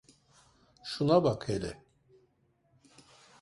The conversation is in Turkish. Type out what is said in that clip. Şuna bak hele!